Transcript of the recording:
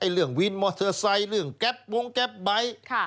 เรื่องวินมอเตอร์ไซค์เรื่องแก๊ปวงแก๊ปไบท์